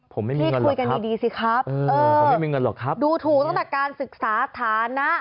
ผมไม่มีเงินหรอกครับเออดูถูกตั้งแต่การศึกษาฐานะ